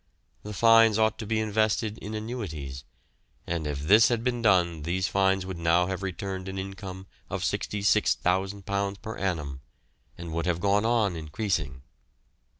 The fines ought to be invested in annuities, and if this had been done these fines would now have returned an income of £66,000 per annum, and would have gone on increasing.